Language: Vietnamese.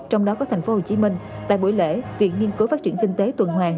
trong đó có tp hcm tại buổi lễ viện nghiên cứu phát triển kinh tế tuần hoàng